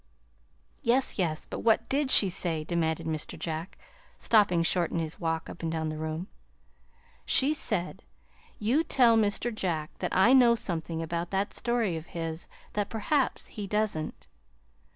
"Yes, yes, but what did she say?" demanded Mr. Jack, stopping short in his walk up and down the room. "She said: 'You tell Mr. Jack that I know something about that story of his that perhaps he doesn't.